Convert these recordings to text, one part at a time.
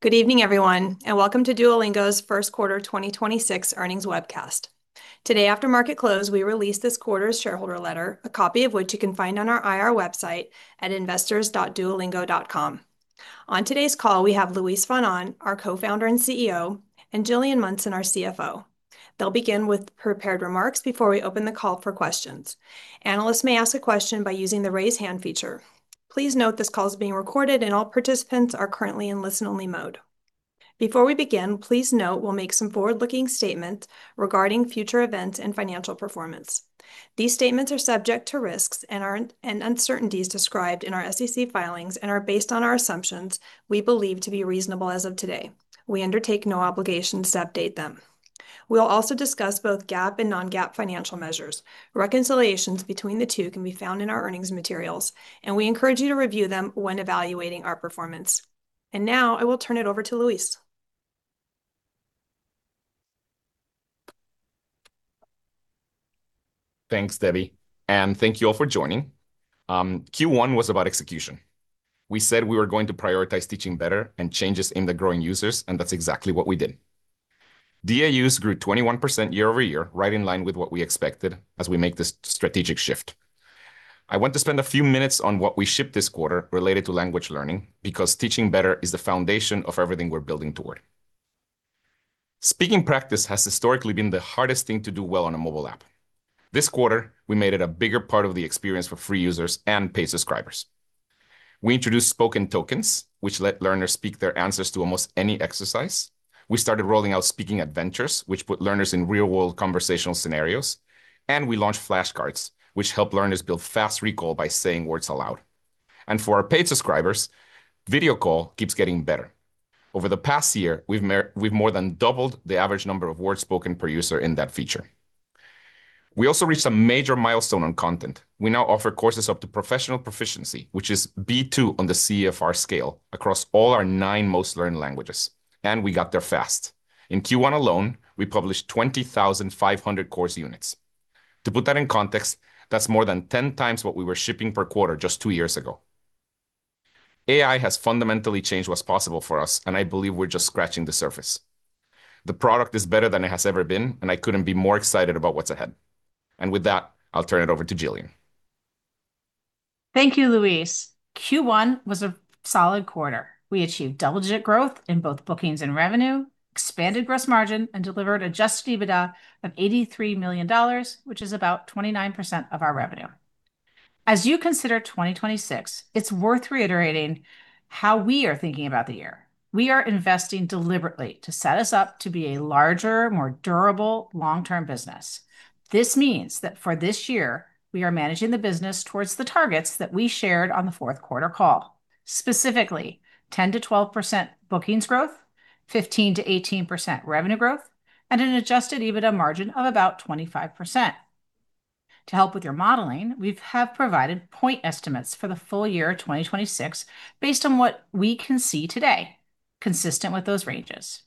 Good evening, everyone, welcome to Duolingo's first quarter 2026 earnings webcast. Today after market close, we released this quarter's shareholder letter, a copy of which you can find on our IR website at investors.duolingo.com. On today's call we have Luis von Ahn, our Co-Founder and CEO, Gillian Munson, our CFO. They'll begin with prepared remarks before we open the call for questions. Analysts may ask a question by using the raise hand feature. Please note this call is being recorded, all participants are currently in listen only mode. Before we begin, please note we'll make some forward-looking statements regarding future events and financial performance. These statements are subject to risks and uncertainties described in our SEC filings, are based on our assumptions we believe to be reasonable as of today. We undertake no obligation to update them. We'll also discuss both GAAP and non-GAAP financial measures. Reconciliations between the two can be found in our earnings materials, and we encourage you to review them when evaluating our performance. Now I will turn it over to Luis. Thanks, Debbie, and thank you all for joining. Q1 was about execution. We said we were going to prioritize teaching better and changes in the growing users, and that's exactly what we did. DAUs grew 21% year-over-year, right in line with what we expected as we make this strategic shift. I want to spend a few minutes on what we shipped this quarter related to language learning, because teaching better is the foundation of everything we're building toward. Speaking practice has historically been the hardest thing to do well on a mobile app. This quarter, we made it a bigger part of the experience for free users and paid subscribers. We introduced spoken tokens, which let learners speak their answers to almost any exercise. We started rolling out Speaking Adventures, which put learners in real-world conversational scenarios. We launched Flashcards, which help learners build fast recall by saying words aloud. For our paid subscribers, Video Call keeps getting better. Over the past year, we've more than doubled the average number of words spoken per user in that feature. We also reached a major milestone on content. We now offer courses up to professional proficiency, which is B2 on the CEFR scale, across all our nine most learned languages. We got there fast. In Q1 alone, we published 20,500 course units. To put that in context, that's more than 10 times what we were shipping per quarter just two years ago. AI has fundamentally changed what's possible for us. I believe we're just scratching the surface. The product is better than it has ever been, and I couldn't be more excited about what's ahead. With that, I'll turn it over to Gillian. Thank you, Luis. Q1 was a solid quarter. We achieved double-digit growth in both bookings and revenue, expanded gross margin, and delivered adjusted EBITDA of $83 million, which is about 29% of our revenue. As you consider 2026, it's worth reiterating how we are thinking about the year. We are investing deliberately to set us up to be a larger, more durable long-term business. This means that for this year we are managing the business towards the targets that we shared on the fourth quarter call. Specifically, 10%-12% bookings growth, 15%-18% revenue growth, and an adjusted EBITDA margin of about 25%. To help with your modeling, we've provided point estimates for the full year 2026 based on what we can see today, consistent with those ranges.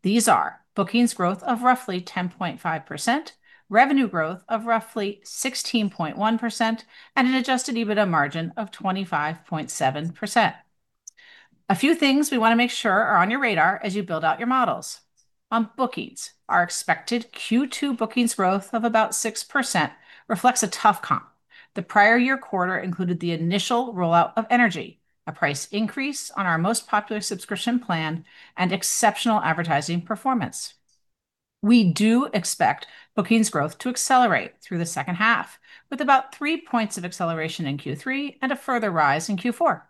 These are: bookings growth of roughly 10.5%, revenue growth of roughly 16.1%, and an adjusted EBITDA margin of 25.7%. A few things we wanna make sure are on your radar as you build out your models. On bookings, our expected Q2 bookings growth of about 6% reflects a tough comp. The prior year quarter included the initial rollout of Energy, a price increase on our most popular subscription plan, and exceptional advertising performance. We do expect bookings growth to accelerate through the second half, with about three points of acceleration in Q3 and a further rise in Q4.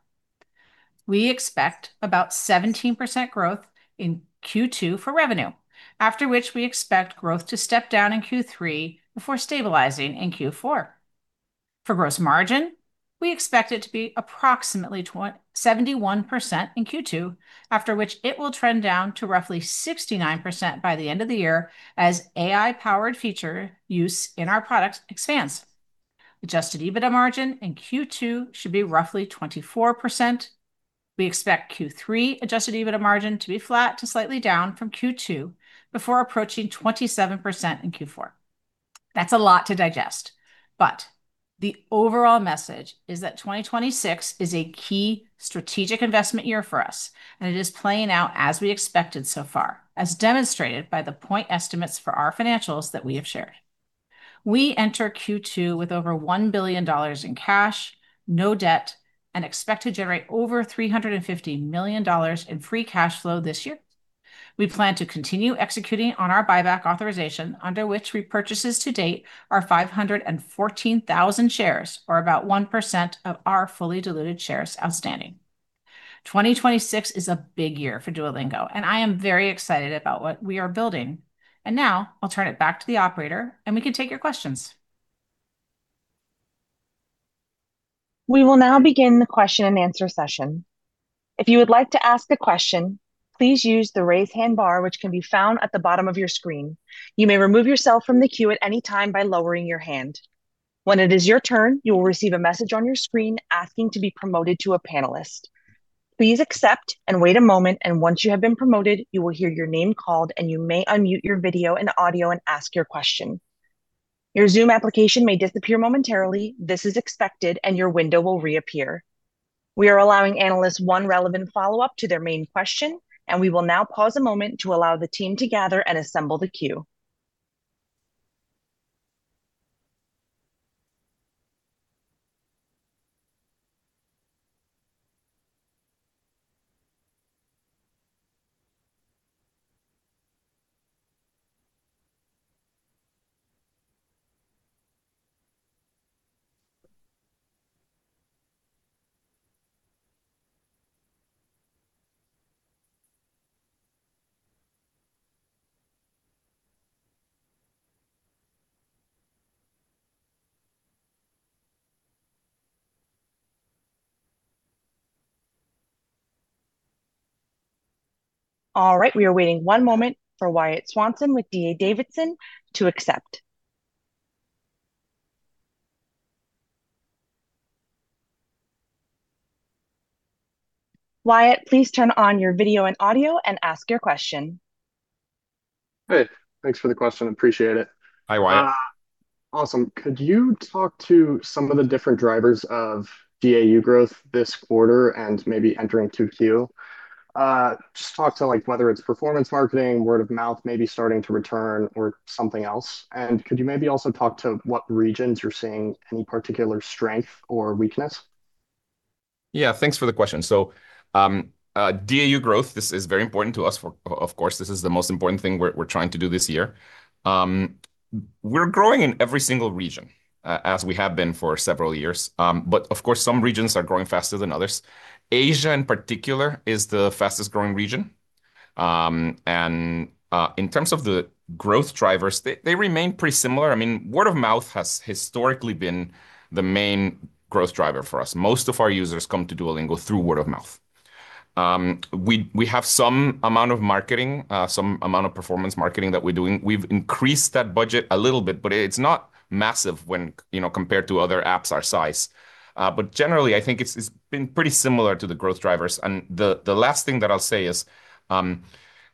We expect about 17% growth in Q2 for revenue, after which we expect growth to step down in Q3 before stabilizing in Q4. For gross margin, we expect it to be approximately 71% in Q2, after which it will trend down to roughly 69% by the end of the year as AI-powered feature use in our products expands. adjusted EBITDA margin in Q2 should be roughly 24%. We expect Q3 adjusted EBITDA margin to be flat to slightly down from Q2 before approaching 27% in Q4. That's a lot to digest, but the overall message is that 2026 is a key strategic investment year for us, and it is playing out as we expected so far, as demonstrated by the point estimates for our financials that we have shared. We enter Q2 with over $1 billion in cash, no debt, and expect to generate over $350 million in free cash flow this year. We plan to continue executing on our buyback authorization, under which repurchases to date are 514,000 shares, or about 1% of our fully diluted shares outstanding. 2026 is a big year for Duolingo, and I am very excited about what we are building. Now I'll turn it back to the operator, and we can take your questions. We will now begin the question and answer session. If you would like to ask a question, please use the raise hand bar, which can be found at the bottom of your screen. You may remove yourself from the queue at any time by lowering your hand. When it is your turn, you will receive a message on your screen asking to be promoted to a panelist. Please accept and wait a moment, and once you have been promoted, you will hear your name called, and you may unmute your video and audio and ask your question. Your Zoom application may disappear momentarily. This is expected, and your window will reappear. We are allowing analysts one relevant follow-up to their main question, and we will now pause a moment to allow the team to gather and assemble the queue. All right, we are waiting one moment for Wyatt Swanson with D.A. Davidson to accept. Wyatt, please turn on your video and audio and ask your question. Hey, thanks for the question. Appreciate it. Hi, Wyatt. Awesome. Could you talk to some of the different drivers of DAU growth this quarter, and maybe entering 2Q? Just talk to, like, whether it's performance marketing, word of mouth maybe starting to return, or something else. Could you maybe also talk to what regions you're seeing any particular strength or weakness? Thanks for the question. DAU growth, this is very important to us, for, of course, this is the most important thing we're trying to do this year. We're growing in every single region, as we have been for several years. Of course, some regions are growing faster than others. Asia, in particular, is the fastest growing region. In terms of the growth drivers, they remain pretty similar. I mean, word of mouth has historically been the main growth driver for us. Most of our users come to Duolingo through word of mouth. We have some amount of marketing, some amount of performance marketing that we're doing. We've increased that budget a little bit, but it's not massive when, you know, compared to other apps our size. Generally, I think it's been pretty similar to the growth drivers. The last thing that I'll say is,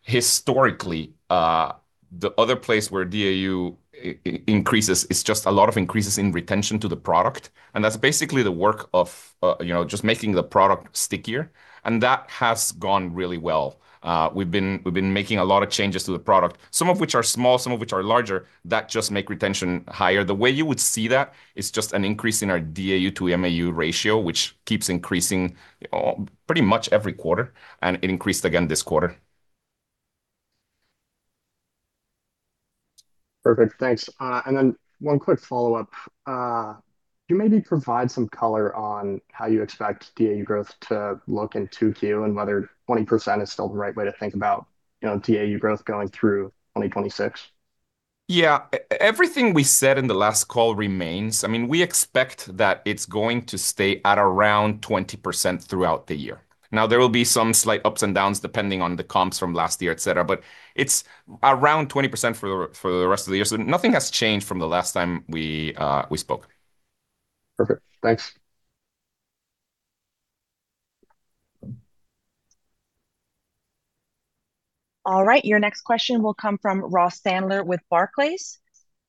historically, the other place where DAU increases is just a lot of increases in retention to the product, and that's basically the work of, you know, just making the product stickier, and that has gone really well. We've been making a lot of changes to the product, some of which are small, some of which are larger, that just make retention higher. The way you would see that is just an increase in our DAU to MAU ratio, which keeps increasing pretty much every quarter, and it increased again this quarter. Perfect. Thanks. One quick follow-up. Can you maybe provide some color on how you expect DAU growth to look in 2Q, and whether 20% is still the right way to think about, you know, DAU growth going through 2026? Yeah. Everything we said in the last call remains. I mean, we expect that it's going to stay at around 20% throughout the year. Now, there will be some slight ups and downs depending on the comps from last year, et cetera, but it's around 20% for the rest of the year. Nothing has changed from the last time we spoke. Perfect. Thanks. All right, your next question will come from Ross Sandler with Barclays.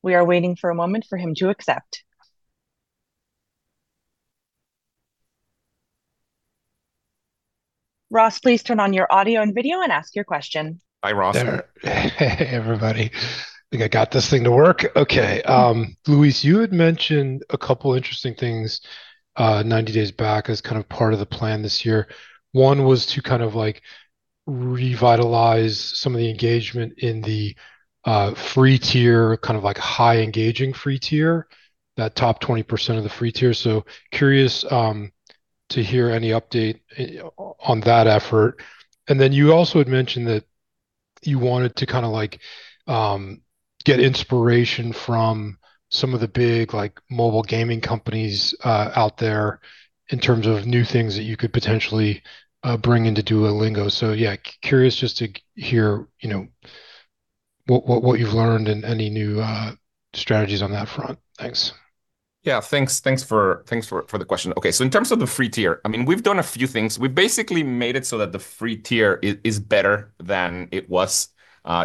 We are waiting for a moment for him to accept. Ross, please turn on your audio and video and ask your question. Hi, Ross. There. Hey, everybody. Think I got this thing to work. Okay. Luis, you had mentioned a couple of interesting things, 90 days back as kind of part of the plan this year. One was to kind of, like, revitalize some of the engagement in the free tier, kind of like high engaging free tier, that top 20% of the free tier. Curious to hear any update on that effort. You also had mentioned that you wanted to kinda, like, get inspiration from some of the big, like, mobile gaming companies out there in terms of new things that you could potentially bring into Duolingo. Curious just to hear, you know, what you've learned and any new strategies on that front. Thanks. Yeah. Thanks for the question. Okay, in terms of the free tier, I mean, we've basically made it so that the free tier is better than it was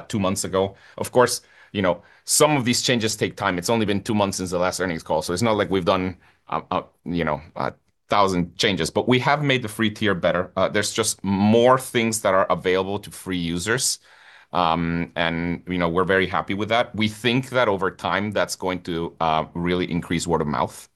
two months ago. Of course, you know, some of these changes take time. It's only been two months since the last earnings call, it's not like we've done, you know, 1,000 changes. We have made the free tier better. There's just more things that are available to free users. You know, we're very happy with that. We think that over time that's going to really increase word of mouth.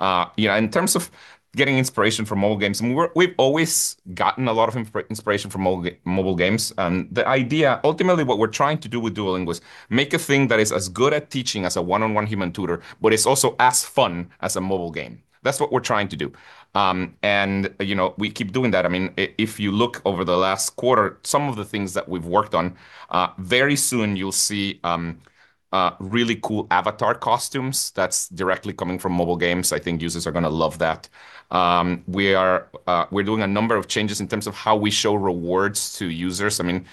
Yeah, in terms of getting inspiration from mobile games, we've always gotten a lot of inspiration from mobile games. The idea, ultimately, what we're trying to do with Duolingo is make a thing that is as good at teaching as a one-on-one human tutor, but it's also as fun as a mobile game. That's what we're trying to do. You know, we keep doing that. I mean, if you look over the last quarter, some of the things that we've worked on, very soon you'll see really cool Avatar costumes that's directly coming from mobile games. I think users are gonna love that. We are, we're doing a number of changes in terms of how we show rewards to users. I mean,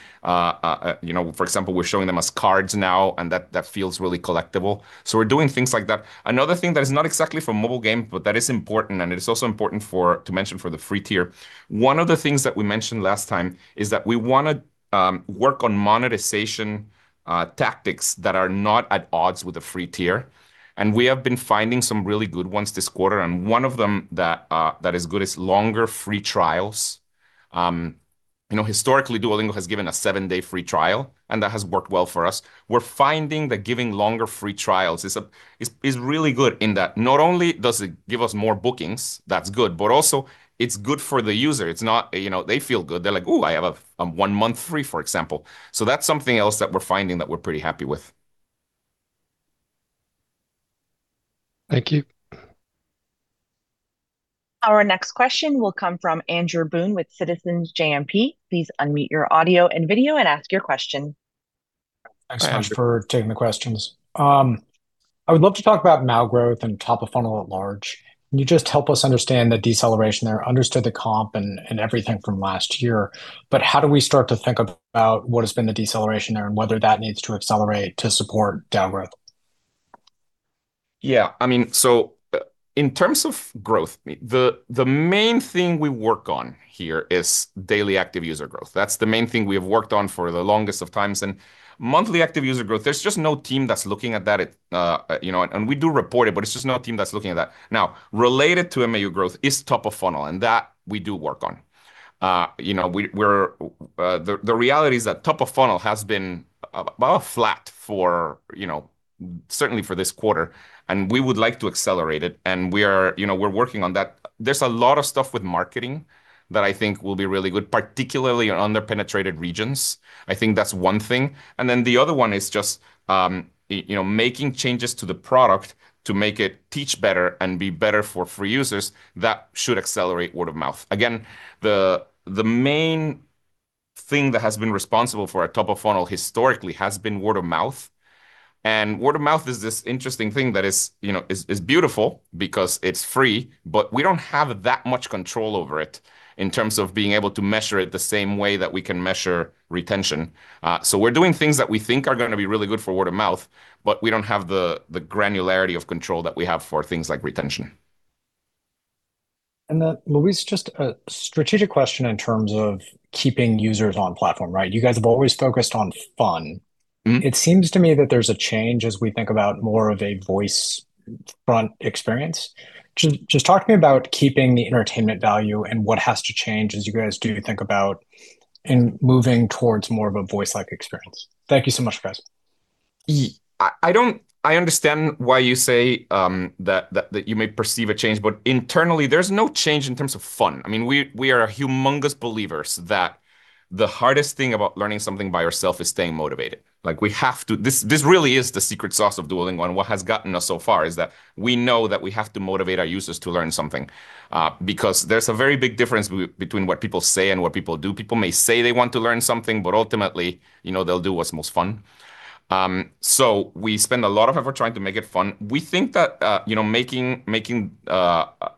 you know, for example, we're showing them as cards now, that feels really collectible. We're doing things like that. Another thing that is not exactly from mobile game, but that is important, and it is also important for, to mention for the free tier, one of the things that we wanna work on monetization tactics that are not at odds with the free tier, we have been finding some really good ones this quarter. One of them that is good is longer free trials. You know, historically, Duolingo has given a seven-day free trial, and that has worked well for us. We're finding that giving longer free trials is really good in that not only does it give us more bookings, that's good, but also it's good for the user. It's not, you know, they feel good. They're like, "Ooh, I have a one-month free," for example. That's something else that we're finding that we're pretty happy with. Thank you. Our next question will come from Andrew Boone with Citizens JMP. Please unmute your audio and video and ask your question. Thanks so much. Hi, Andrew. taking the questions. I would love to talk about now growth and top-of-funnel at large. Can you just help us understand the deceleration there? Understood the comp and everything from last year, how do we start to think about what has been the deceleration there, and whether that needs to accelerate to support DAU growth? I mean, in terms of growth, the main thing we work on here is Daily Active Users growth. That's the main thing we have worked on for the longest of times. Monthly active user growth, there's just no team that's looking at that at, you know, and we do report it, but it's just no team that's looking at that. Related to MAU growth is top-of-funnel, and that we do work on. You know, we're, the reality is that top-of-funnel has been about flat for, you know, certainly for this quarter, and we would like to accelerate it. We are, you know, we're working on that. There's a lot of stuff with marketing that I think will be really good, particularly in under-penetrated regions. I think that's one thing. The other one is just, you know, making changes to the product to make it teach better and be better for free users, that should accelerate word of mouth. Again, the main thing that has been responsible for our top-of-funnel historically has been word of mouth, and word of mouth is this interesting thing that is, you know, is beautiful because it's free, but we don't have that much control over it in terms of being able to measure it the same way that we can measure retention. We're doing things that we think are gonna be really good for word of mouth, but we don't have the granularity of control that we have for things like retention. Luis, just a strategic question in terms of keeping users on platform, right? You guys have always focused on fun. Mm-hmm. It seems to me that there's a change as we think about more of a voice front experience. Just talk to me about keeping the entertainment value and what has to change as you guys do think about in moving towards more of a voice-like experience? Thank you so much, guys. I don't I understand why you say, that you may perceive a change, but internally, there's no change in terms of fun. I mean, we are humongous believers that the hardest thing about learning something by yourself is staying motivated. Like, we have to, this really is the secret sauce of Duolingo, and what has gotten us so far is that we know that we have to motivate our users to learn something. Because there's a very big difference between what people say and what people do. People may say they want to learn something, but ultimately, you know, they'll do what's most fun. We spend a lot of effort trying to make it fun. We think that, you know, making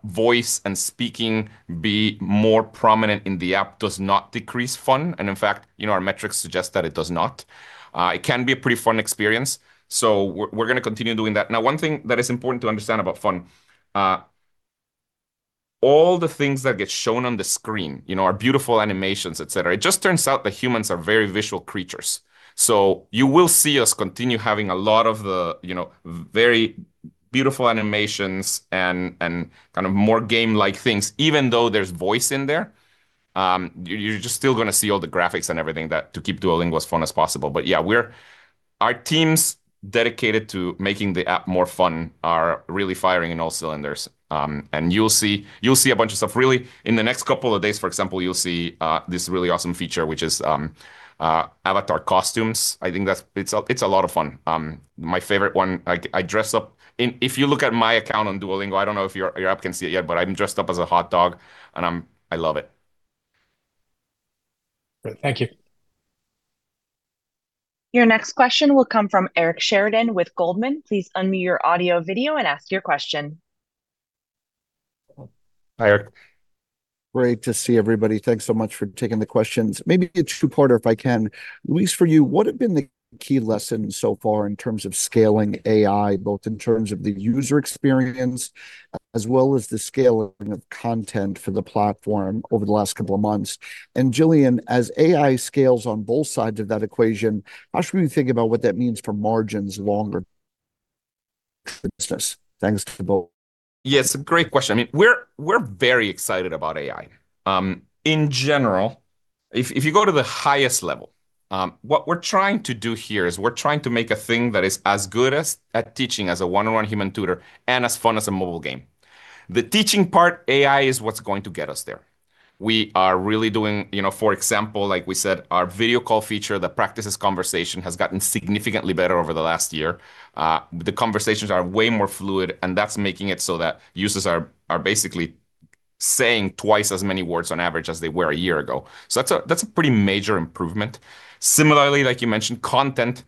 voice and speaking be more prominent in the app does not decrease fun, and in fact, you know, our metrics suggest that it does not. It can be a pretty fun experience, we're gonna continue doing that. Now, one thing that is important to understand about fun, all the things that get shown on the screen, you know, our beautiful animations, et cetera, it just turns out that humans are very visual creatures. You will see us continue having a lot of the, you know, very beautiful animations and kind of more game-like things, even though there's voice in there. You're just still gonna see all the graphics and everything that, to keep Duolingo as fun as possible. Yeah, our teams dedicated to making the app more fun are really firing on all cylinders. You'll see a bunch of stuff, really, in the next couple of days, for example, you'll see this really awesome feature, which is avatar costumes. I think it's a lot of fun. My favorite one, I dress up, and if you look at my account on Duolingo, I don't know if your app can see it yet, but I'm dressed up as a hot dog, and I love it. Great. Thank you. Your next question will come from Eric Sheridan with Goldman. Hi, Eric. Great to see everybody. Thanks so much for taking the questions. Maybe it's two-parter, if I can. Luis, for you, what have been the key lessons so far in terms of scaling AI, both in terms of the user experience as well as the scaling of content for the platform over the last couple of months? Gillian, as AI scales on both sides of that equation, how should we think about what that means for margins longer business? Thanks to you both. Yes, great question. I mean, we're very excited about AI. In general, if you go to the highest level, what we're trying to do here is we're trying to make a thing that is as good as, at teaching as a one-on-one human tutor and as fun as a mobile game. The teaching part, AI is what's going to get us there. We are really doing, you know, for example, like we said, our Video Call feature that practices conversation has gotten significantly better over the last year. The conversations are way more fluid, That's making it so that users are basically saying twice as many words on average as they were a year ago. That's a pretty major improvement. Similarly, like you mentioned, content.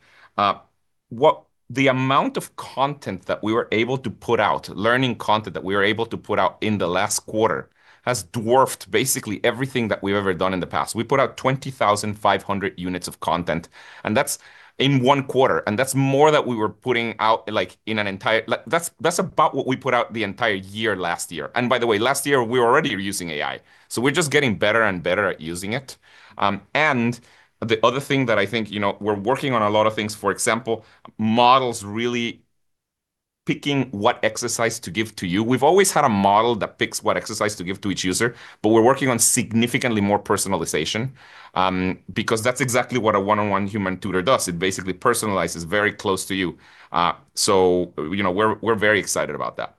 The amount of content that we were able to put out, learning content that we were able to put out in the last quarter, has dwarfed basically everything that we've ever done in the past. We put out 20,500 units of content, and that's in one quarter, and that's more that we were putting out, like, that's about what we put out the entire year last year. By the way, last year we already were using AI. We're just getting better and better at using it. The other thing that I think, you know, we're working on a lot of things. For example, models picking what exercise to give to you. We've always had a model that picks what exercise to give to each user. We're working on significantly more personalization because that's exactly what a one-on-one human tutor does. It basically personalizes very close to you. You know, we're very excited about that.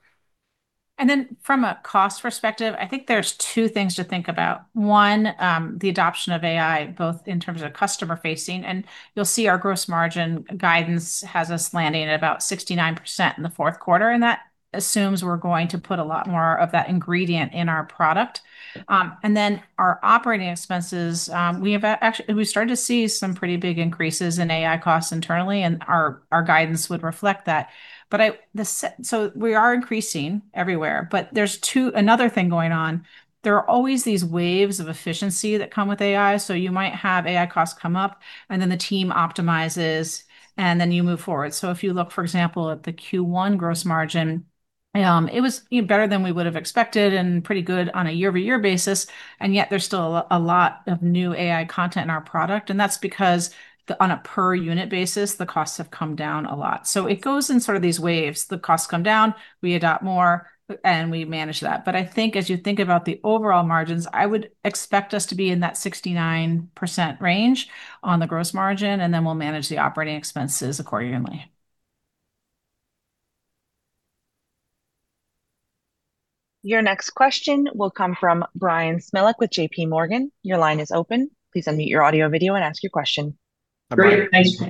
From a cost perspective, I think there's two things to think about. One, the adoption of AI, both in terms of customer facing, and you'll see our gross margin guidance has us landing at about 69% in the fourth quarter, and that assumes we're going to put a lot more of that ingredient in our product. Our operating expenses, actually, we've started to see some pretty big increases in AI costs internally and our guidance would reflect that. We are increasing everywhere, but there's two, another thing going on. There are always these waves of efficiency that come with AI, so you might have AI costs come up, and then the team optimizes, and then you move forward. If you look, for example, at the Q1 gross margin, it was even better than we would've expected and pretty good on a year-over-year basis, and yet there's still a lot of new AI content in our product, and that's because the, on a per unit basis, the costs have come down a lot. It goes in sort of these waves. The costs come down, we adopt more, and we manage that. I think as you think about the overall margins, I would expect us to be in that 69% range on the gross margin, and then we'll manage the operating expenses accordingly. Your next question will come from Bryan Smilek with JPMorgan. Your line is open. Great, thanks. Hey, great. Thanks for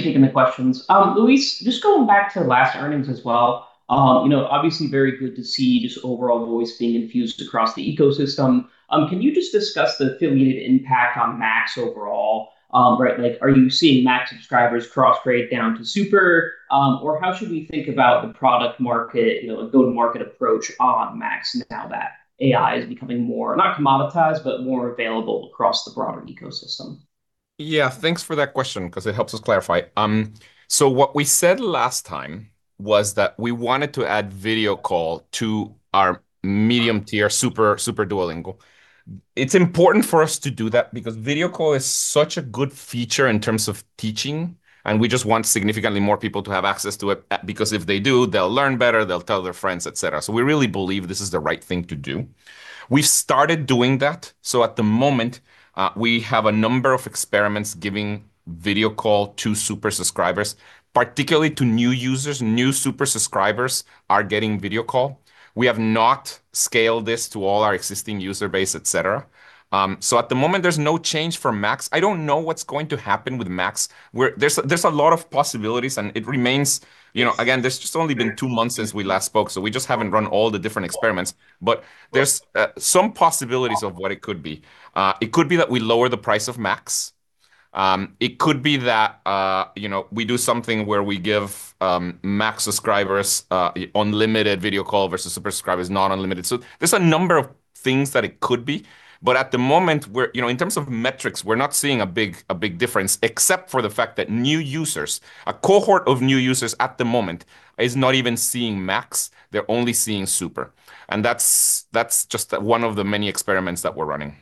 taking the questions. Luis, just going back to last earnings as well, you know, obviously very good to see just overall voice being infused across the ecosystem. Can you just discuss the affiliated impact on Max overall? Right, like, are you seeing Max subscribers cross-grade down to Super? How should we think about the product market, you know, like go-to-market approach on Max now that AI is becoming more, not commoditized, but more available across the broader ecosystem? Yeah, thanks for that question, 'cause it helps us clarify. What we said last time was that we wanted to add Video Call to our medium tier, Super Duolingo. It's important for us to do that because Video Call is such a good feature in terms of teaching, and we just want significantly more people to have access to it, because if they do, they'll learn better, they'll tell their friends, et cetera. We really believe this is the right thing to do. We've started doing that, so at the moment, we have a number of experiments giving Video Call to Super subscribers, particularly to new users. New Super subscribers are getting Video Call. We have not scaled this to all our existing user base, et cetera. At the moment, there's no change for Max. I don't know what's going to happen with Max. There's a lot of possibilities, it remains, you know, again, there's just only been two months since we last spoke, we just haven't run all the different experiments. There's some possibilities of what it could be. It could be that we lower the price of Max. It could be that, you know, we do something where we give Max subscribers unlimited Video Call versus Super subscribers, not unlimited. There's a number of things that it could be, at the moment we're, you know, in terms of metrics, we're not seeing a big difference, except for the fact that new users, a cohort of new users at the moment is not even seeing Max. They're only seeing Super. That's just one of the many experiments that we're running.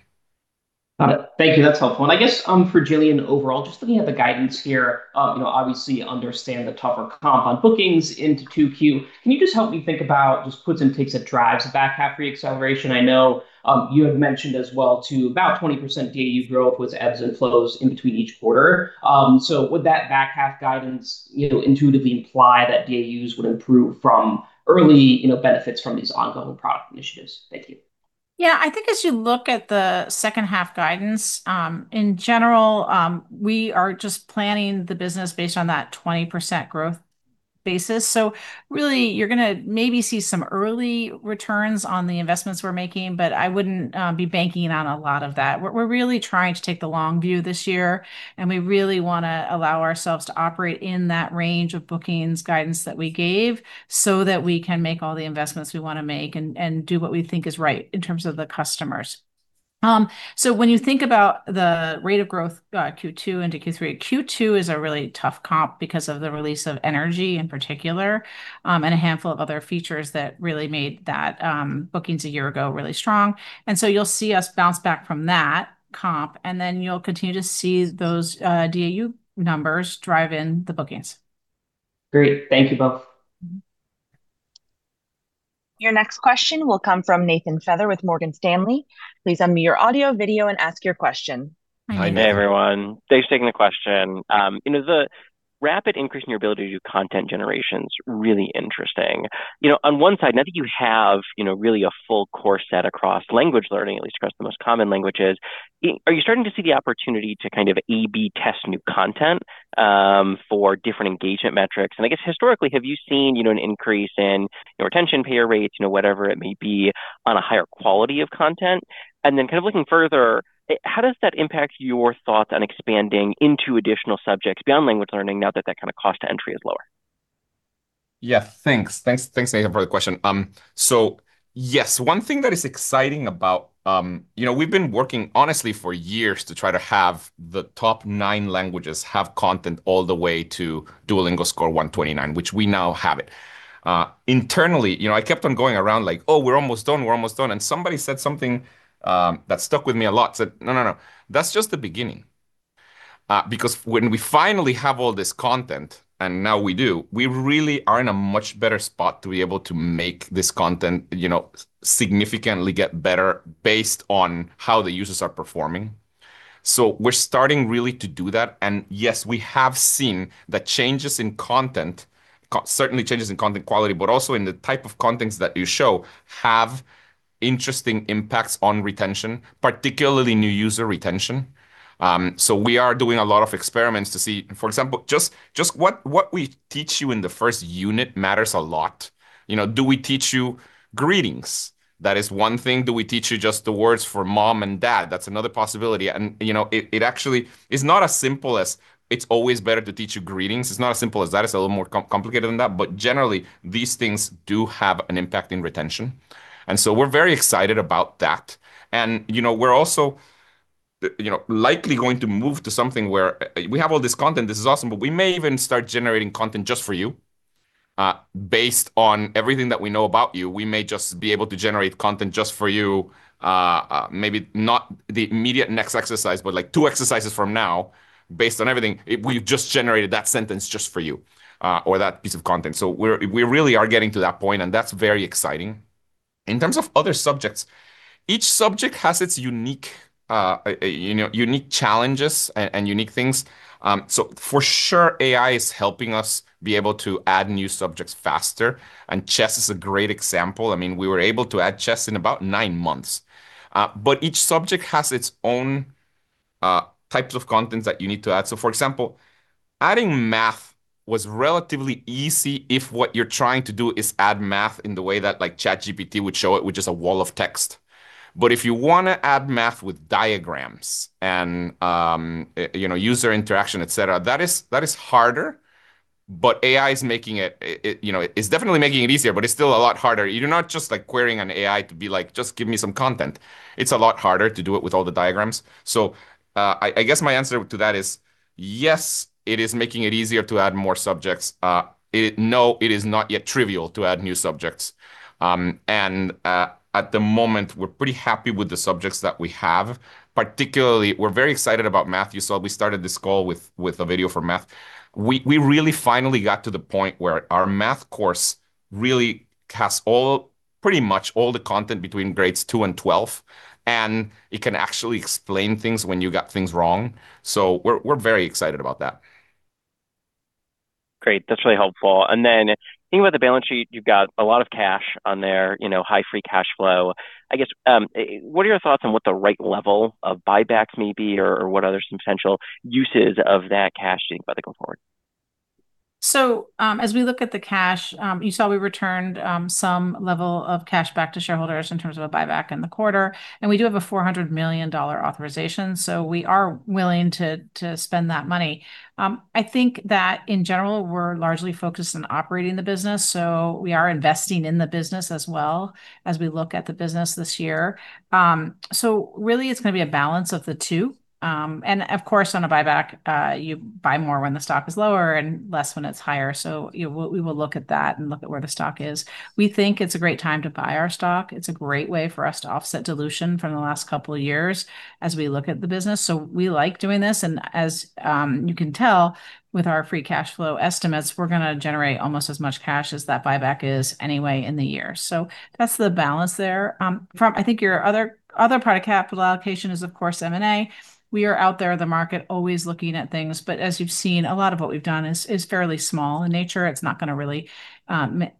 Got it. Thank you. That's helpful. I guess, for Gillian overall, just looking at the guidance here, you know, obviously understand the tougher comp on bookings into 2Q. Can you just help me think about just puts and takes that drives the back half re-acceleration? I know, you have mentioned as well too, about 20% DAU growth was ebbs and flows in between each quarter. So would that back half guidance, you know, intuitively imply that DAUs would improve from early, you know, benefits from these ongoing product initiatives? Thank you. Yeah. I think as you look at the second half guidance, in general, we are just planning the business based on that 20% growth basis. Really, you're gonna maybe see some early returns on the investments we're making, but I wouldn't be banking on a lot of that. We're really trying to take the long view this year, and we really wanna allow ourselves to operate in that range of bookings guidance that we gave so that we can make all the investments we wanna make and do what we think is right in terms of the customers. When you think about the rate of growth, Q2 into Q3, Q2 is a really tough comp because of the release of Energy in particular, and a handful of other features that really made that, bookings a year ago really strong. You'll see us bounce back from that comp, and then you'll continue to see those, DAU numbers drive in the bookings. Great. Thank you both. Your next question will come from Nathan Feather with Morgan Stanley. Please unmute your audio, video, and ask your question. Hi. Hey, everyone. Thanks for taking the question. You know, the rapid increase in your ability to do content generation's really interesting. You know, on one side, now that you have, you know, really a full core set across language learning, at least across the most common languages, are you starting to see the opportunity to kind of A/B test new content for different engagement metrics? I guess historically, have you seen, you know, an increase in, you know, retention, payer rates, you know, whatever it may be, on a higher quality of content? Kind of looking further, how does that impact your thoughts on expanding into additional subjects beyond language learning now that that kind of cost to entry is lower? Thanks, Nathan, for the question. Yes, one thing that is exciting about, you know, we've been working honestly for years to try to have the top nine languages have content all the way to Duolingo Score 129, which we now have it. Internally, you know, I kept on going around like, "Oh, we're almost done. We're almost done." Somebody said something that stuck with me a lot, said, "No, no, that's just the beginning." When we finally have all this content, and now we do, we really are in a much better spot to be able to make this content, you know, significantly get better based on how the users are performing. We're starting really to do that, and yes, we have seen the changes in content, certainly changes in content quality, but also in the type of contents that you show have interesting impacts on retention, particularly new user retention. We are doing a lot of experiments to see, for example, just what we teach you in the first unit matters a lot. You know, do we teach you greetings? That is one thing. Do we teach you just the words for mom and dad? That's another possibility. You know, it actually is not as simple as it's always better to teach you greetings. It's not as simple as that. It's a little more complicated than that, but generally, these things do have an impact in retention. We're very excited about that. You know, we're also, you know, likely going to move to something where we have all this content, this is awesome, but we may even start generating content just for you, based on everything that we know about you. We may just be able to generate content just for you, maybe not the immediate next exercise, but, like, two exercises from now based on everything. We've just generated that sentence just for you, or that piece of content. We're, we really are getting to that point, and that's very exciting. In terms of other subjects, each subject has its unique, you know, unique challenges and unique things. For sure, AI is helping us be able to add new subjects faster, and chess is a great example. I mean, we were able to add chess in about nine months. Each subject has its own types of contents that you need to add. For example, adding math was relatively easy if what you're trying to do is add math in the way that, like, ChatGPT would show it, which is a wall of text. If you wanna add math with diagrams and, you know, user interaction, et cetera, that is harder, AI's making it, you know, it's definitely making it easier, but it's still a lot harder. You're not just, like, querying an AI to be like, "Just give me some content." It's a lot harder to do it with all the diagrams. I guess my answer to that is, yes, it is making it easier to add more subjects. No, it is not yet trivial to add new subjects. At the moment, we're pretty happy with the subjects that we have. Particularly, we're very excited about math. You saw we started this call with a video for math. We really finally got to the point where our math course really has all, pretty much all the content between grades two and 12, and it can actually explain things when you got things wrong. We're very excited about that. Great. That's really helpful. Then thinking about the balance sheet, you've got a lot of cash on there, you know, high free cash flow. I guess, what are your thoughts on what the right level of buybacks may be, or what are some potential uses of that cash going forward? As we look at the cash, you saw we returned some level of cash back to shareholders in terms of a buyback in the quarter, and we do have a $400 million authorization, we are willing to spend that money. I think that in general, we're largely focused on operating the business, we are investing in the business as well as we look at the business this year. Really it's gonna be a balance of the two. Of course, on a buyback, you buy more when the stock is lower and less when it's higher. We will look at that and look at where the stock is. We think it's a great time to buy our stock. It's a great way for us to offset dilution from the last couple years as we look at the business. We like doing this, and as you can tell with our free cash flow estimates, we're going to generate almost as much cash as that buyback is anyway in the year. That's the balance there. From, I think your other part of capital allocation is of course M&A. We are out there in the market always looking at things, but as you've seen, a lot of what we've done is fairly small in nature. It's not going to really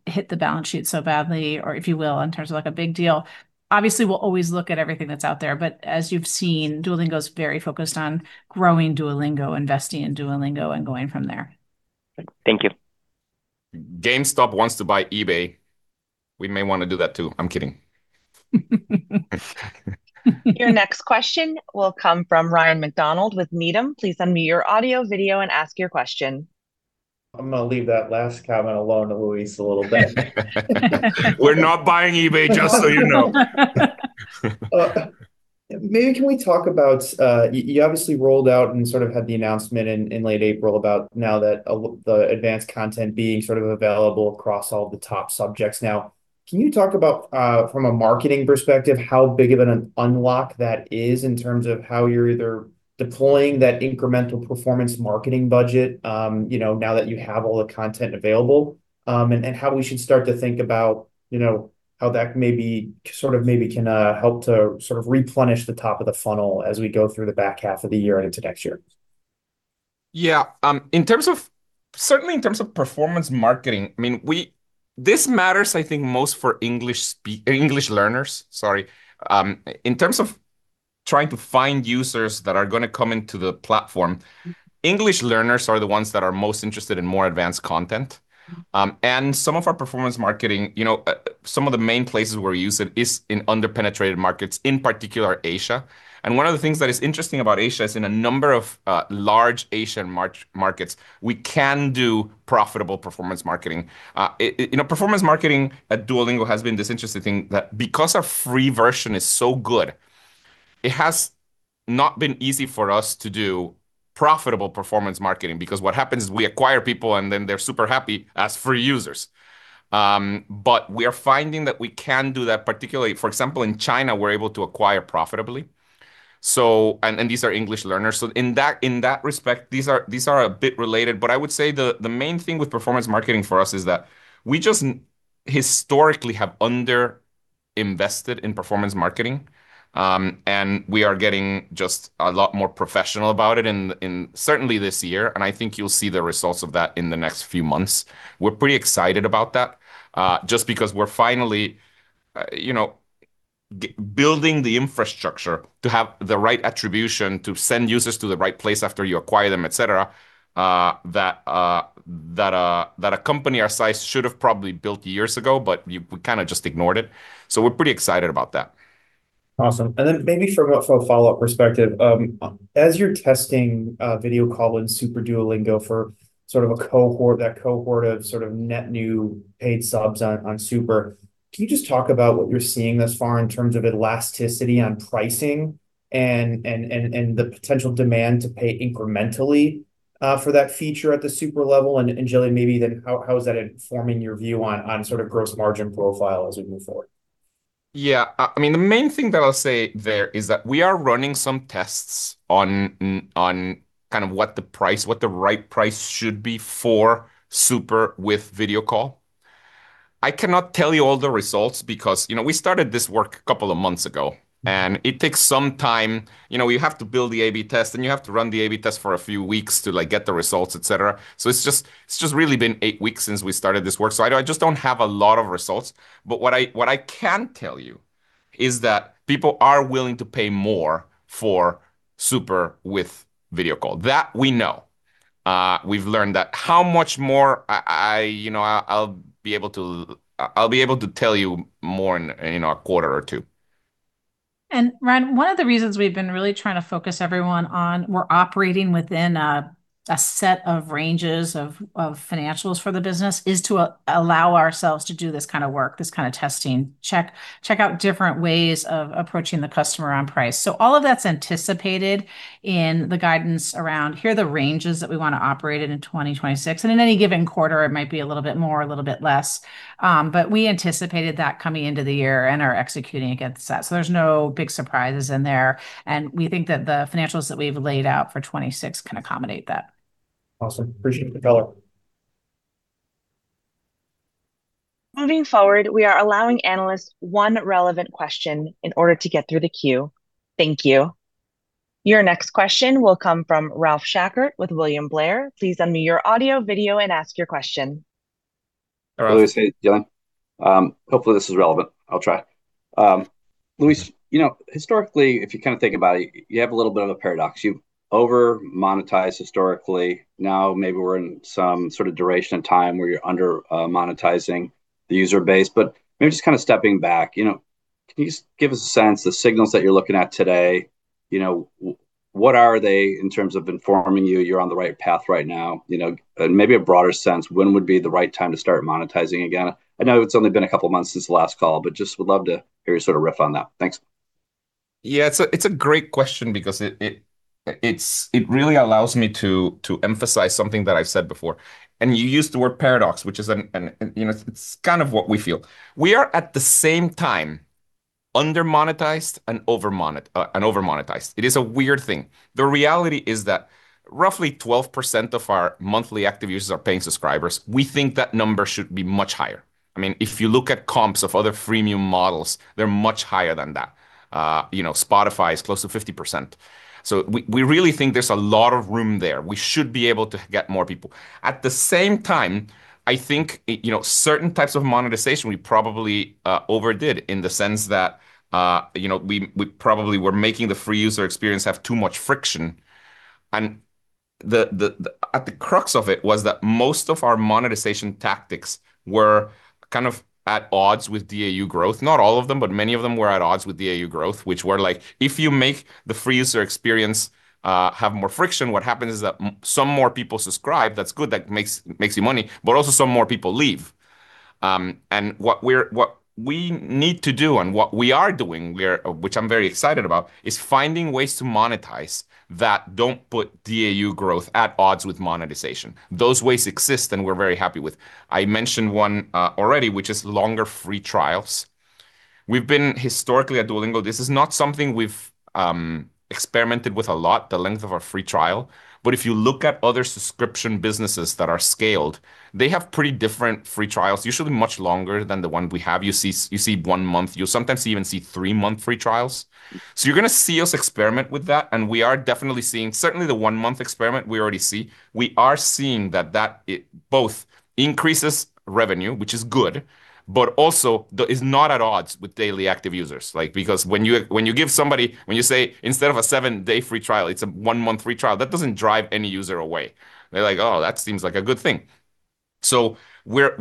hit the balance sheet so badly, or if you will, in terms of, like, a big deal. Obviously, we'll always look at everything that's out there, but as you've seen, Duolingo's very focused on growing Duolingo, investing in Duolingo, and going from there. Thank you. GameStop wants to buy eBay. We may want to do that, too. I am kidding. Your next question will come from Ryan MacDonald with Needham. Please unmute your audio, video, and ask your question. I'm gonna leave that last comment alone to Luis a little bit. We're not buying eBay, just so you know. Maybe can we talk about, you obviously rolled out and sort of had the announcement in late April about now that the advanced content being sort of available across all the top subjects. Now, can you talk about, from a marketing perspective, how big of an unlock that is in terms of how you're either deploying that incremental performance marketing budget, you know, now that you have all the content available, and how we should start to think about, you know, how that maybe sort of can help to sort of replenish the top of the funnel as we go through the back half of the year and into next year? Yeah. In terms of, certainly in terms of performance marketing, I mean, this matters, I think, most for English learners, sorry. In terms of trying to find users that are gonna come into the platform, English learners are the ones that are most interested in more advanced content. One of the things that is interesting about Asia is in a number of large Asian markets, we can do profitable performance marketing. You know, performance marketing at Duolingo has been this interesting thing that because our free version is so good, it has not been easy for us to do profitable performance marketing, because what happens is we acquire people, and then they're super happy as free users. We are finding that we can do that, particularly, for example, in China, we're able to acquire profitably. And these are English learners. In that, in that respect, these are, these are a bit related. I would say the main thing with performance marketing for us is that we just historically have under-invested in performance marketing. We are getting just a lot more professional about it in certainly this year, and I think you'll see the results of that in the next few months. We're pretty excited about that, just because we're finally, you know, building the infrastructure to have the right attribution to send users to the right place after you acquire them, et cetera, that a company our size should have probably built years ago, but we kinda just ignored it. We're pretty excited about that. Awesome. Maybe from a, from a follow-up perspective, as you're testing, Video Call in Super Duolingo for sort of a cohort, that cohort of sort of net new paid subs on Super, can you just talk about what you're seeing thus far in terms of elasticity on pricing and the potential demand to pay incrementally, for that feature at the Super level? And Gillian, maybe then how is that informing your view on sort of gross margin profile as we move forward? I mean, the main thing that I'll say there is that we are running some tests on what the price, what the right price should be for Super with Video Call. I cannot tell you all the results because, you know, we started this work couple months ago, it takes some time. You know, you have to build the A/B test, you have to run the A/B test for a few weeks to, like, get the results, et cetera. It's just really been eight weeks since we started this work. I don't, I just don't have a lot of results. What I, what I can tell you is that people are willing to pay more for Super with Video Call. That we know. We've learned that. How much more, I, you know, I'll be able to tell you more in a quarter or two. Ryan, one of the reasons we've been really trying to focus everyone on we're operating within a set of ranges of financials for the business, is to allow ourselves to do this kind of work, this kind of testing. Check out different ways of approaching the customer on price. All of that's anticipated in the guidance around here are the ranges that we wanna operate in in 2026. In any given quarter it might be a little bit more, a little bit less. We anticipated that coming into the year and are executing against that. There's no big surprises in there, and we think that the financials that we've laid out for 2026 can accommodate that. Awesome. Appreciate it. Over. Moving forward, we are allowing analysts one relevant question in order to get through the queue. Thank you. Your next question will come from Ralph Schackart with William Blair. Ralph. Luis, hey Gillian. Hopefully this is relevant. I'll try. Luis, you know, historically, if you kinda think about it, you have a little bit of a paradox. You've over-monetized historically. Now maybe we're in some sort of duration in time where you're under monetizing the user base. Maybe just kinda stepping back, you know, can you just give us a sense, the signals that you're looking at today, you know, what are they in terms of informing you you're on the right path right now? You know, maybe a broader sense, when would be the right time to start monetizing again? I know it's only been a couple months since the last call, just would love to hear you sort of riff on that. Thanks. Yeah. It's a great question because it really allows me to emphasize something that I've said before. You used the word paradox, which is, you know, kind of what we feel. We are at the same time under-monetized and over-monetized. It is a weird thing. The reality is that roughly 12% of our monthly active users are paying subscribers. We think that number should be much higher. I mean, if you look at comps of other freemium models, they're much higher than that. You know, Spotify is close to 50%. We really think there's a lot of room there. We should be able to get more people. At the same time, I think, it, you know, certain types of monetization we probably overdid in the sense that, you know, we probably were making the free user experience have too much friction. The, at the crux of it was that most of our monetization tactics were kind of at odds with DAU growth. Many of them were at odds with DAU growth, which were, like, if you make the free user experience have more friction, what happens is that some more people subscribe. That's good. That makes you money. Also, some more people leave. What we need to do and what we are doing, which I'm very excited about, is finding ways to monetize that don't put DAU growth at odds with monetization. Those ways exist, we're very happy with. I mentioned one already, which is longer free trials. We've been historically at Duolingo, this is not something we've experimented with a lot, the length of our free trial, but if you look at other subscription businesses that are scaled, they have pretty different free trials, usually much longer than the one we have. You see one month. You'll sometimes even see three-month free trials. You're going to see us experiment with that, and we are definitely seeing, certainly the one-month experiment we already see. We are seeing that it both increases revenue, which is good, but also is not at odds with daily active users. Like, because when you give somebody, when you say, "Instead of a seven-day free trial, it's a one-month free trial," that doesn't drive any user away. They're like, "Oh, that seems like a good thing." We're,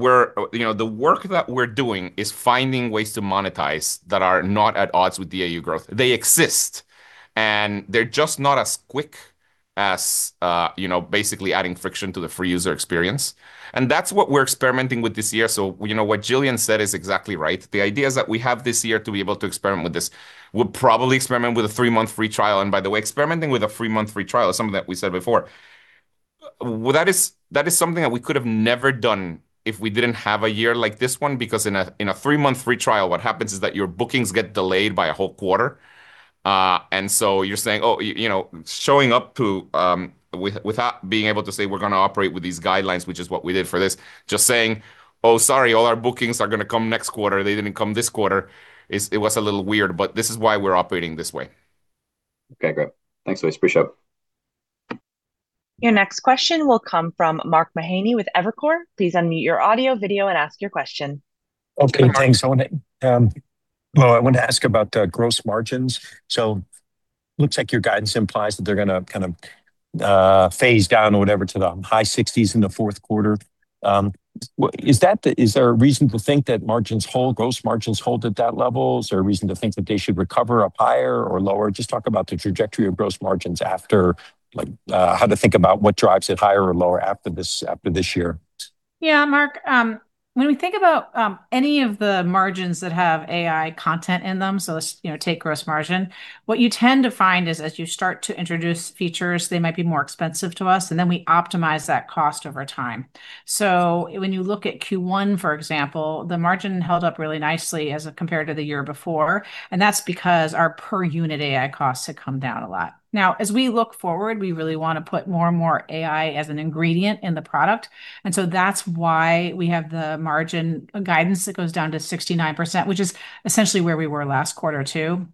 you know, the work that we're doing is finding ways to monetize that are not at odds with DAU growth. They exist, and they're just not as quick as, you know, basically adding friction to the free user experience. That's what we're experimenting with this year. You know, what Gillian said is exactly right. The ideas that we have this year to be able to experiment with this, we'll probably experiment with a three-month free trial. By the way, experimenting with a three-month free trial is something that we said before. Well, that is something that we could have never done if we didn't have a year like this one, because in a three-month free trial, what happens is that your bookings get delayed by a whole quarter. You're saying, you know, showing up to without being able to say, "We're gonna operate with these guidelines," which is what we did for this. Just saying, "Oh, sorry, all our bookings are gonna come next quarter. They didn't come this quarter," It was a little weird. This is why we're operating this way. Okay, great. Thanks, Luis. Appreciate it. Your next question will come from Mark Mahaney with Evercore. Please unmute your audio, video, and ask your question. Okay, thanks. I wanna, well, I want to ask about gross margins. Looks like your guidance implies that they're gonna kind of phase down or whatever to the high 60s in the fourth quarter. Is there a reason to think that margins hold, gross margins hold at that level? Is there a reason to think that they should recover up higher or lower? Just talk about the trajectory of gross margins after, like, how to think about what drives it higher or lower after this year. Mark, when we think about any of the margins that have AI content in them, so let's, you know, take gross margin, what you tend to find is as you start to introduce features, they might be more expensive to us, and then we optimize that cost over time. When you look at Q1, for example, the margin held up really nicely as compared to the year before, and that's because our per unit AI costs have come down a lot. As we look forward, we really wanna put more and more AI as an ingredient in the product, that's why we have the margin guidance that goes down to 69%, which is essentially where we were last quarter, too.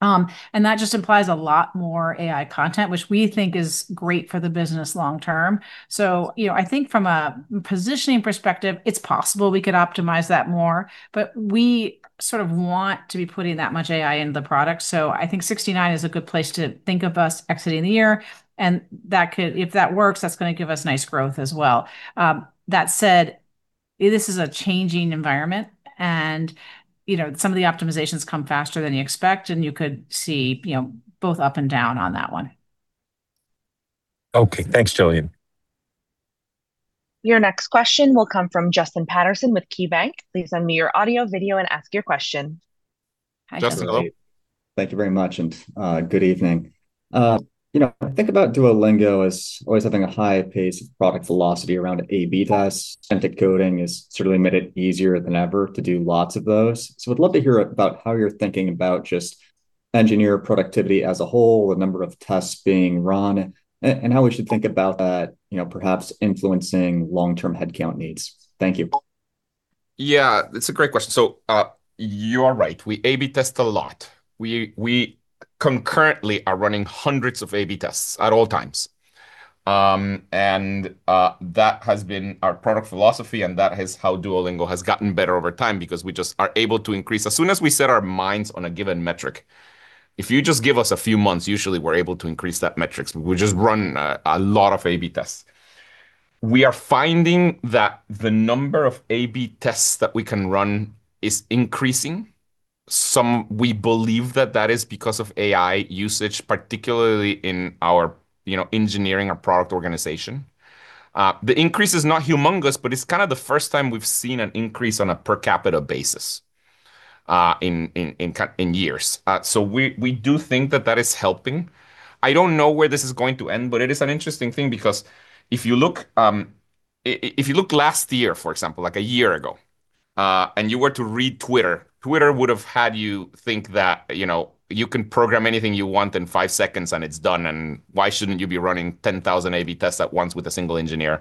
That just implies a lot more AI content, which we think is great for the business long term. You know, I think from a positioning perspective, it's possible we could optimize that more, but we sort of want to be putting that much AI into the product. I think 69% is a good place to think of us exiting the year. If that works, that's gonna give us nice growth as well. That said, this is a changing environment and, you know, some of the optimizations come faster than you expect, and you could see, you know, both up and down on that one. Okay. Thanks, Gillian. Your next question will come from Justin Patterson with KeyBanc. Please unmute your audio, video, and ask your question. Justin, hello. Thank you very much, and good evening. You know, I think about Duolingo as always having a high pace product philosophy around A/B tests, and the coding has certainly made it easier than ever to do lots of those. Would love to hear about how you're thinking about just engineer productivity as a whole, the number of tests being run, and how we should think about that, you know, perhaps influencing long-term headcount needs. Thank you. Yeah, it's a great question. You are right. We A/B test a lot. We concurrently are running hundreds of A/B tests at all times. That has been our product philosophy, and that is how Duolingo has gotten better over time, because we just are able to increase. As soon as we set our minds on a given metric, if you just give us a few months, usually we're able to increase that metrics. We just run a lot of A/B tests. We are finding that the number of A/B tests that we can run is increasing. We believe that that is because of AI usage, particularly in our, you know, engineering or product organization. The increase is not humongous, but it's kinda the first time we've seen an increase on a per capita basis in years. We, we do think that that is helping. I don't know where this is going to end, but it is an interesting thing. If you look, if you looked last year, for example, like a year ago, and you were to read Twitter would've had you think that, you know, you can program anything you want in five seconds and it's done, and why shouldn't you be running 10,000 A/B tests at once with a single engineer?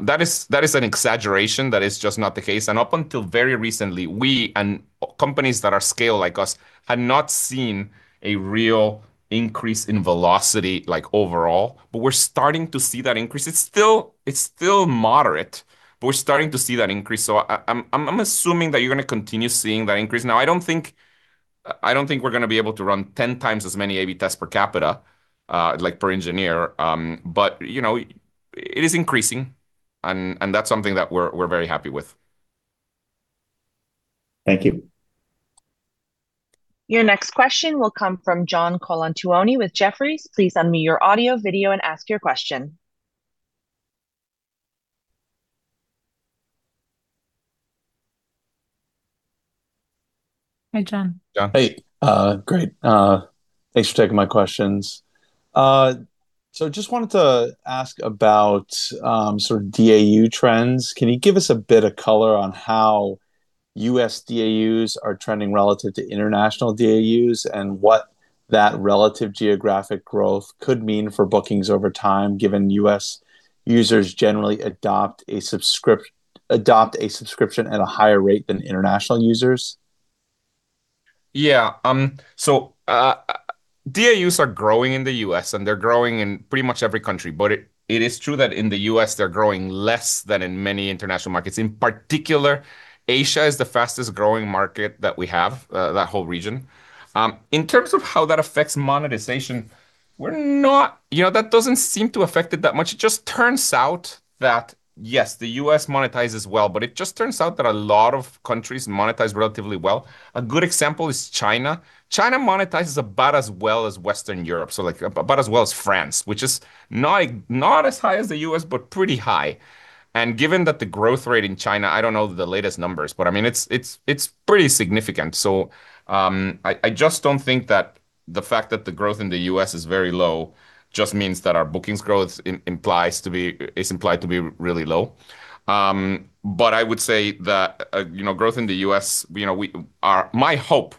That is an exaggeration. That is just not the case. Up until very recently, we and companies that are scale like us had not seen a real increase in velocity, like, overall, but we're starting to see that increase. It's still moderate, but we're starting to see that increase, so I'm assuming that you're gonna continue seeing that increase. I don't think we're gonna be able to run 10 times as many A/B tests per capita, like per engineer, but, you know, it is increasing and that's something that we're very happy with. Thank you. Your next question will come from John Colantuoni with Jefferies. Hi, John. John. Hey, great. Thanks for taking my questions. Just wanted to ask about sort of DAU trends. Can you give us a bit of color on how U.S. DAUs are trending relative to international DAUs, and what that relative geographic growth could mean for bookings over time, given U.S. users generally adopt a subscription at a higher rate than international users? DAUs are growing in the U.S., and they're growing in pretty much every country. It is true that in the U.S. they're growing less than in many international markets. In particular, Asia is the fastest-growing market that we have, that whole region. In terms of how that affects monetization, you know, that doesn't seem to affect it that much. It just turns out that, yes, the U.S. monetizes well, but it just turns out that a lot of countries monetize relatively well. A good example is China. China monetizes about as well as Western Europe, so, like, about as well as France, which is not as high as the U.S., but pretty high. Given that the growth rate in China, I don't know the latest numbers, but, I mean, it's pretty significant. I just don't think that The fact that the growth in the U.S. is very low just means that our bookings growth is implied to be really low. I would say that, you know, growth in the U.S., you know, my hope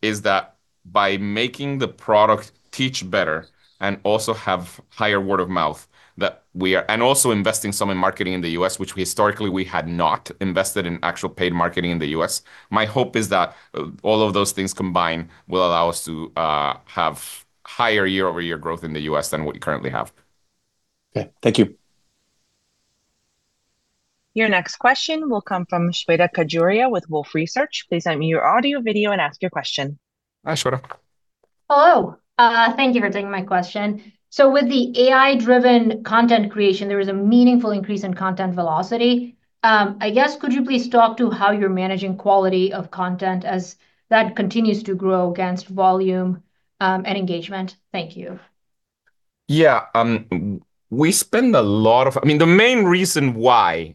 is that by making the product teach better and also have higher word of mouth. Also investing some in marketing in the U.S., which we historically we had not invested in actual paid marketing in the U.S. My hope is that all of those things combined will allow us to have higher year-over-year growth in the U.S. than we currently have. Okay. Thank you. Your next question will come from Shweta Khajuria with Wolfe Research. Please unmute your audio, video, and ask your question. Hi, Shweta. Hello. Thank you for taking my question. With the AI-driven content creation, there was a meaningful increase in content velocity. I guess could you please talk to how you're managing quality of content as that continues to grow against volume, and engagement? Thank you. Yeah. I mean, we spend a lot of. The main reason why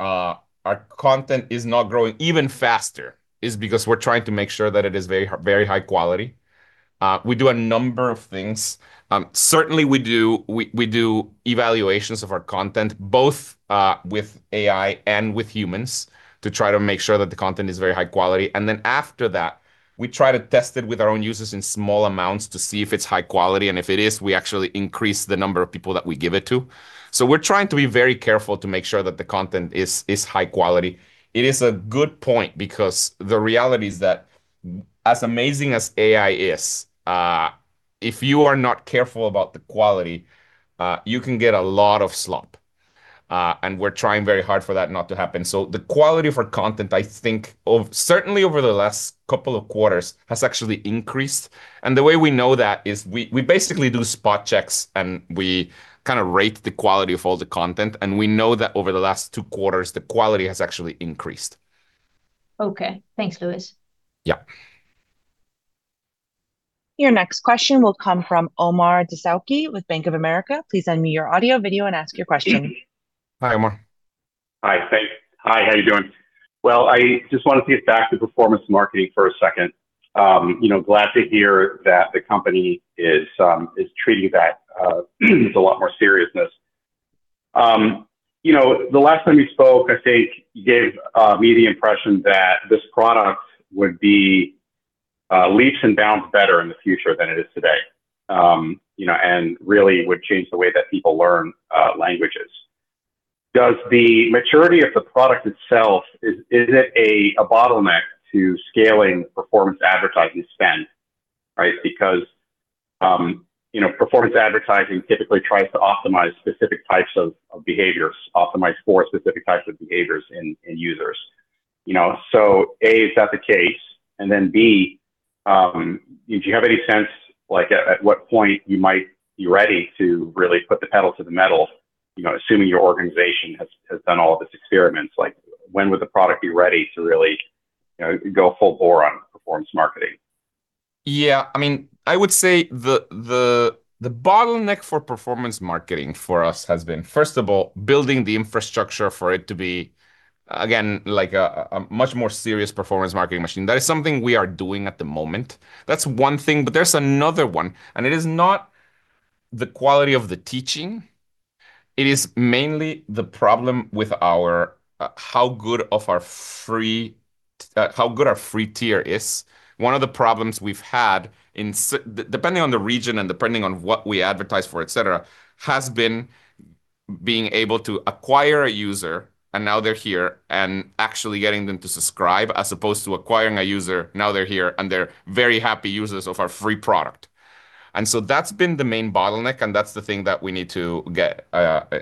our content is not growing even faster is because we're trying to make sure that it is very high quality. We do a number of things. Certainly we do evaluations of our content, both with AI and with humans to try to make sure that the content is very high quality. After that, we try to test it with our own users in small amounts to see if it's high quality, and if it is, we actually increase the number of people that we give it to. We're trying to be very careful to make sure that the content is high quality. It is a good point, because the reality is that as amazing as AI is, if you are not careful about the quality, you can get a lot of slop. We're trying very hard for that not to happen. The quality of our content, I think certainly over the last two quarters, has actually increased. The way we know that is we basically do spot checks, and we kind of rate the quality of all the content, and we know that over the last two quarters, the quality has actually increased. Okay. Thanks, Luis. Yeah. Your next question will come from Omar Dessouky with Bank of America. Please unmute your audio, video, and ask your question. Hi, Omar. Hi, thanks. Hi, how you doing? Well, I just wanted to get back to performance marketing for a second. You know, glad to hear that the company is treating that with a lot more seriousness. You know, the last time we spoke, I think you gave me the impression that this product would be leaps and bounds better in the future than it is today, you know, and really would change the way that people learn languages. Does the maturity of the product itself, is it a bottleneck to scaling performance advertising spend? Right? Because, you know, performance advertising typically tries to optimize specific types of behaviors, optimize for specific types of behaviors in users. You know? A, is that the case? B, do you have any sense, like at what point you might be ready to really put the pedal to the metal, you know, assuming your organization has done all of its experiments, like when would the product be ready to really, you know, go full bore on performance marketing? Yeah. I mean, I would say the bottleneck for performance marketing for us has been, first of all, building the infrastructure for it to be, again, like a much more serious performance marketing machine. That is something we are doing at the moment. That's one thing, but there's another one, and it is not the quality of the teaching, it is mainly the problem with our how good of our free, how good our free tier is. One of the problems we've had depending on the region and depending on what we advertise for, et cetera, has been being able to acquire a user, and now they're here, and actually getting them to subscribe, as opposed to acquiring a user, now they're here, and they're very happy users of our free product. That's been the main bottleneck, and that's the thing that we need to get,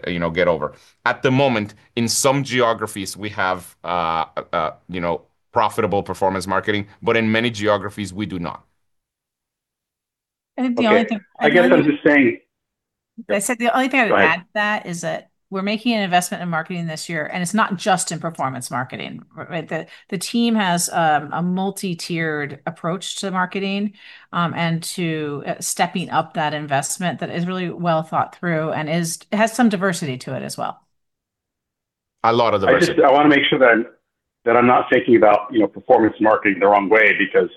you know, get over. At the moment, in some geographies we have, you know, profitable performance marketing, but in many geographies we do not. I think the only thing. Okay. I said the only thing I would add to that. Go ahead.... is that we're making an investment in marketing this year, and it's not just in performance marketing. Right? The team has a multi-tiered approach to marketing and to stepping up that investment that is really well thought through and has some diversity to it as well. A lot of diversity. I just, I wanna make sure that I'm not thinking about, you know, performance marketing the wrong way because,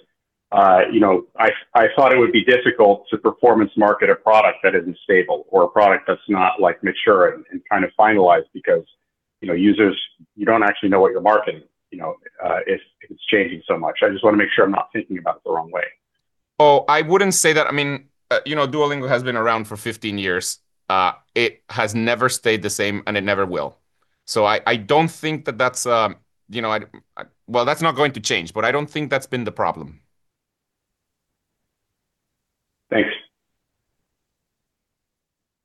you know, I thought it would be difficult to performance market a product that isn't stable or a product that's not, like, mature and kind of finalized because, you know, users, you don't actually know what you're marketing, you know, if it's changing so much. I just wanna make sure I'm not thinking about it the wrong way. I wouldn't say that. I mean, you know, Duolingo has been around for 15 years. It has never stayed the same, and it never will. I don't think that that's, you know, well, that's not going to change, but I don't think that's been the problem. Thanks.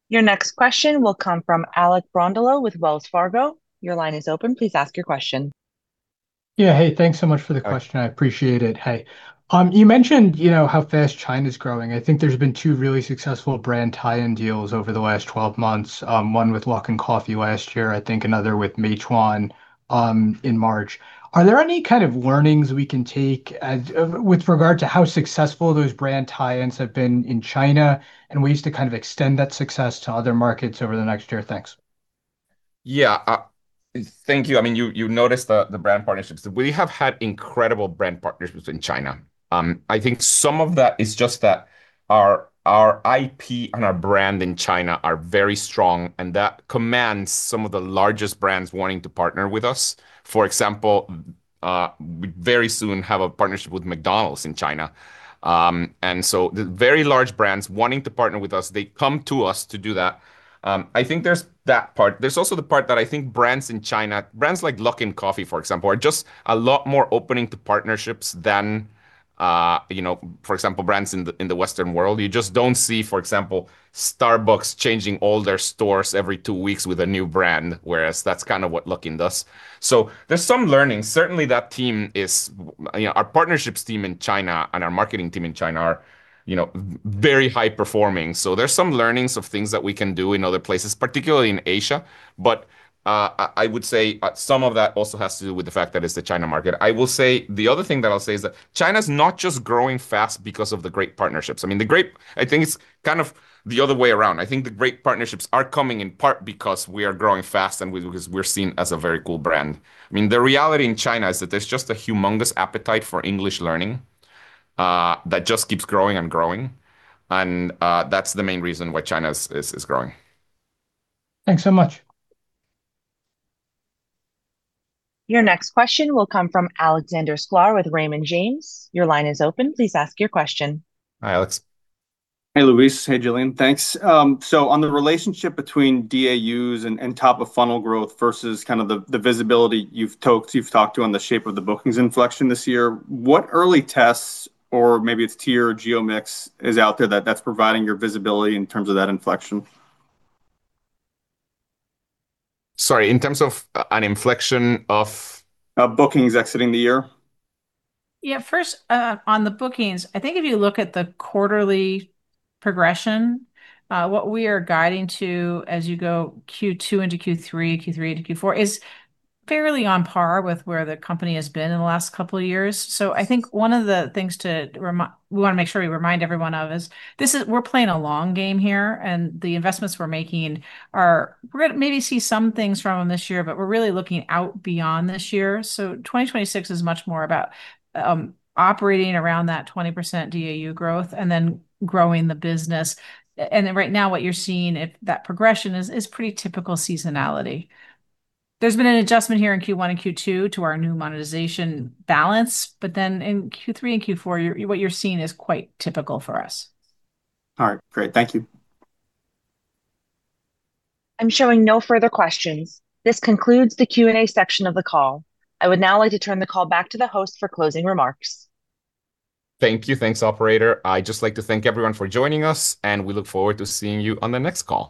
Your next question will come from Alec Brondolo with Wells Fargo. Your line is open. Please ask your question. Yeah. Hey, thanks so much for the question. Hi. I appreciate it. Hey. You mentioned, you know, how fast China's growing. I think there's been two really successful brand tie-in deals over the last 12 months, one with Luckin Coffee last year, I think another with Meituan in March. Are there any kind of learnings we can take as with regard to how successful those brand tie-ins have been in China, and ways to kind of extend that success to other markets over the next year? Thanks. Thank you. I mean, you noticed the brand partnerships. We have had incredible brand partnerships in China. I think some of that is just that our IP and our brand in China are very strong, and that commands some of the largest brands wanting to partner with us. For example, we very soon have a partnership with McDonald's in China. The very large brands wanting to partner with us, they come to us to do that. I think there's that part. There's also the part that I think brands in China, brands like Luckin Coffee, for example, are just a lot more open into partnerships than, you know, for example, brands in the Western world. You just don't see, for example, Starbucks changing all their stores every two weeks with a new brand, whereas that's kind of what Luckin does. There's some learning. Certainly, that team is You know, our partnerships team in China and our marketing team in China are, you know, very high performing. There's some learnings of things that we can do in other places, particularly in Asia. I would say, some of that also has to do with the fact that it's the China market. I will say, the other thing that I'll say is that China's not just growing fast because of the great partnerships. I mean, the great I think it's kind of the other way around. I think the great partnerships are coming in part because we are growing fast and we're seen as a very cool brand. I mean, the reality in China is that there's just a humongous appetite for English learning that just keeps growing and growing, and that's the main reason why China's is growing. Thanks so much. Your next question will come from Alexander Sklar with Raymond James. Your line is open. Please ask your question. Hi, Alec. Hey, Luis. Hey, Gillian. Thanks. On the relationship between DAUs and top-of-funnel growth versus kind of the visibility you've talked to on the shape of the bookings inflection this year, what early tests, or maybe it's tier or geo mix, is out there that's providing your visibility in terms of that inflection? Sorry, in terms of, an inflection of. Of bookings exiting the year. Yeah, first, on the bookings, I think if you look at the quarterly progression, what we are guiding to as you go Q2 into Q3 into Q4, is fairly on par with where the company has been in the last couple of years. I think one of the things we wanna make sure we remind everyone of is this is, we're playing a long game here, and the investments we're making are. We're gonna maybe see some things from them this year, but we're really looking out beyond this year. 2026 is much more about operating around that 20% DAU growth and then growing the business. Right now what you're seeing if that progression is pretty typical seasonality. There's been an adjustment here in Q1 and Q2 to our new monetization balance, but then in Q3 and Q4, you're, what you're seeing is quite typical for us. All right. Great. Thank you. I'm showing no further questions. This concludes the Q&A section of the call. I would now like to turn the call back to the host for closing remarks. Thank you. Thanks, operator. I'd just like to thank everyone for joining us, and we look forward to seeing you on the next call.